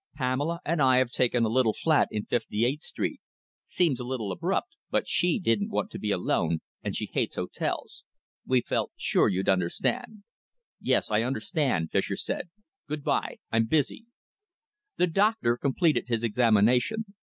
"Pamela and I have taken a little flat in Fifty eighth Street. Seems a little abrupt, but she didn't want to be alone, and she hates hotels. We felt sure you'd understand." "Yes, I understand," Fischer said. "Good by! I'm busy." The doctor completed his examination.